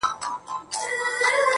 اوس هغه بل كور كي اوسيږي كنه.